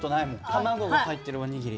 卵が入ってるおにぎり。